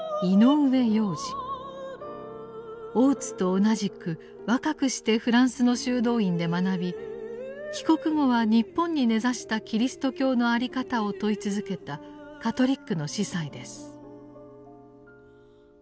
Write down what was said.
大津と同じく若くしてフランスの修道院で学び帰国後は日本に根ざしたキリスト教の在り方を問い続けたカトリックの司祭です。